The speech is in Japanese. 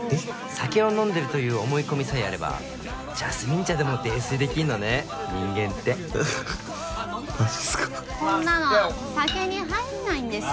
酒を飲んでるという思い込みさえあればジャスミン茶でも泥酔できんのね人間ってマジっすかこんなのは酒に入んないんですよ